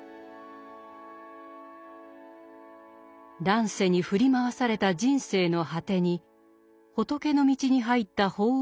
乱世に振り回された人生の果てに仏の道に入った法皇の言葉。